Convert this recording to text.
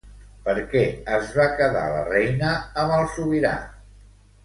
Per què es va quedar la reina amb el sobirà?